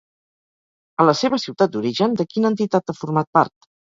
A la seva ciutat d'origen, de quina entitat ha format part?